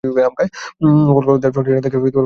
কলকাতার ঠনঠনিয়ায় থেকে পড়াশোনা করতে থাকেন।